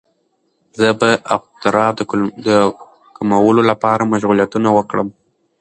زه به د اضطراب د کمولو لپاره مشغولیتونه وکړم.